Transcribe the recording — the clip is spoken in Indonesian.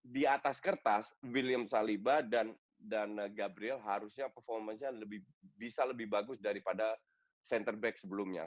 di atas kertas william saliba dan gabriel harusnya performance nya bisa lebih bagus daripada center back sebelumnya